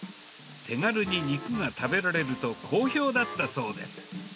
手軽に肉が食べられると好評だったそうです。